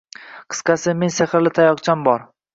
Qisqasi, men sehrli tayoqcham bor.